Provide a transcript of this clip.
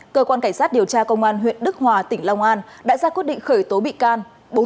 cơ quan cảnh sát điều tra công an huyện đức hòa tỉnh long an đã ra quyết định khởi tố bị can